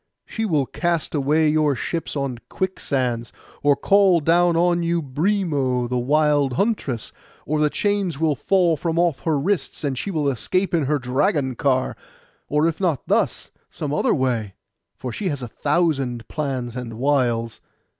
She will cast away your ships on quicksands, or call down on you Brimo the wild huntress; or the chains will fall from off her wrists, and she will escape in her dragon car; or if not thus, some other way, for she has a thousand plans and wiles.